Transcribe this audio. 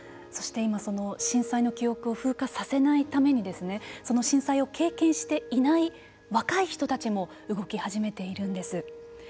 そして今その震災の記憶を風化させないためにその震災を経験していない若い人たちも動き始めているんです。